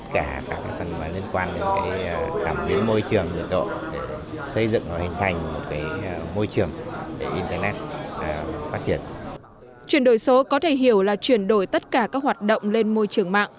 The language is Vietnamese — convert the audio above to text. chuyển đổi số có thể hiểu là chuyển đổi tất cả các hoạt động lên môi trường mạng